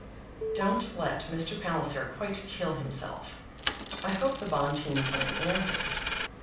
Don't let Mr. Palliser quite kill himself. I hope the Bonteen plan answers.